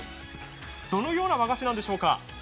どのような和菓子なんでしょうか？